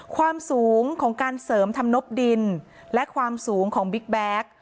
ความสูงของการเสริมทำนบดินและความสูงของบิ๊กแบ็ค